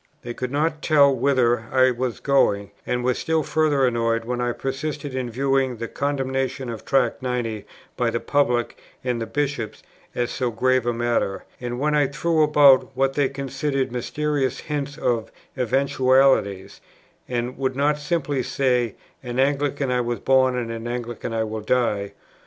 They could not tell whither I was going; and were still further annoyed when I persisted in viewing the condemnation of Tract 90 by the public and the Bishops as so grave a matter, and when I threw about what they considered mysterious hints of "eventualities," and would not simply say, "An Anglican I was born, and an Anglican I will die."